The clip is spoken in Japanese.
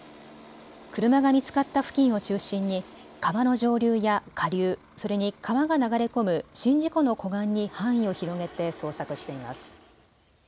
車が見つかった付近を中心に川の上流や下流それに川が流れ込む宍道湖の湖岸に範囲を広げて捜索しています。